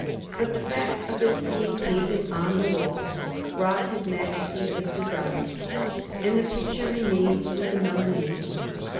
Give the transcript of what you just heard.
But the fact of its being painted on the wall robbed his Majesty of his desire; and the picture remained with the Milanese.